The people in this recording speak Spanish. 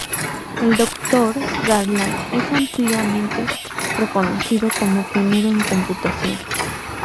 El Dr. Garland es ampliamente reconocido como pionero en computación.